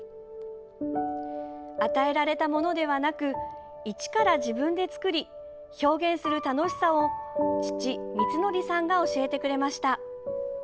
与えられたものではなく一から自分で作り表現する楽しさを父・みつのりさんが教えてくれました。